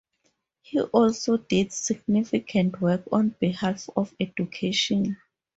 He also did significant work on behalf of education.